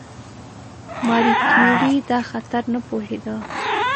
ماري کیوري دا خطر نه پوهېده.